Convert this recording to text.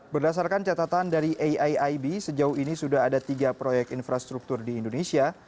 berdasarkan catatan dari aiib sejauh ini sudah ada tiga proyek infrastruktur di indonesia